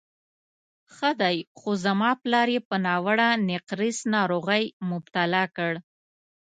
ښه دی، خو زما پلار یې په ناوړه نقرس ناروغۍ مبتلا کړ.